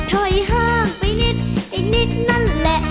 ถอยห่างไปนิดไอ้นิดนั่นแหละ